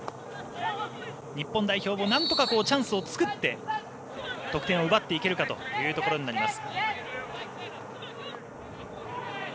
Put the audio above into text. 日本代表もなんとかチャンスを作って得点を奪っていけるかというところになります。